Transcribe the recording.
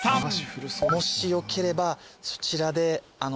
もしよければそちらで今日。